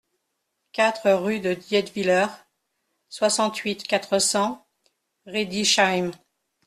quatre rue de Dietwiller, soixante-huit, quatre cents, Riedisheim